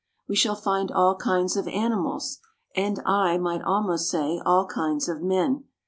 We shall find all kinds of animals and, I might almost say, all kinds of men.